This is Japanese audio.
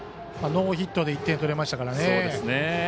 ノーヒットで１点取れましたからね。